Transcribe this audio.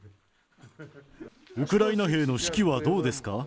ウクライナ兵の士気はどうですか？